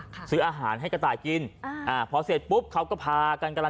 ข้างซื้ออาหารให้กระต่ายกินพอเสร็จปุ๊บเค้าก็พากันกำลัง